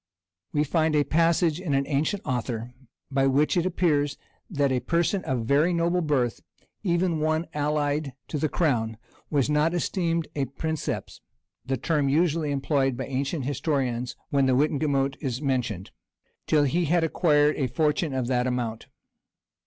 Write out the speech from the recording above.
We find a passage in an ancient author,[*] by which it appears that a person of very noble birth, even one allied to the crown, was not esteemed a "princeps" (the term usually employed by ancient historians, when the wittenagemot is mentioned) till he had acquired a fortune of that amount.